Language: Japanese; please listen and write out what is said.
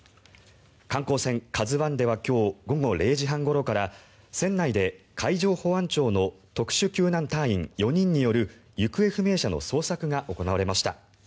観光船「ＫＡＺＵ１」では今日午後０時半ごろから船内で海上保安庁の特殊救難隊員４人による行方不明者の捜索が行われました。